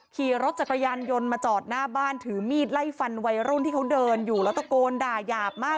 ขี่รถจักรยานยนต์มาจอดหน้าบ้านถือมีดไล่ฟันวัยรุ่นที่เขาเดินอยู่แล้วตะโกนด่ายาบมาก